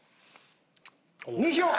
２票！